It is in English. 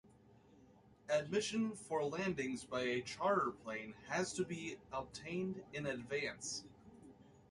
Admission for landings by a charter plane has to be obtained in advance.